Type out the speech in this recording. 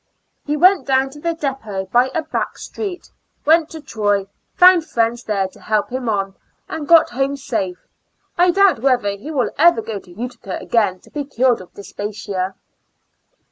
He went down to the depot b}^ a back street, went to Troy, found friends there to help him on, and got home safe. I doubt whether he will ever go to Utica again to be cured of dyspepsia.